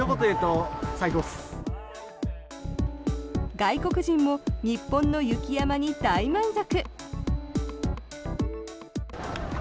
外国人も日本の雪山に大満足。